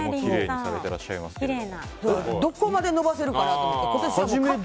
どこまで伸ばせるかなと思って。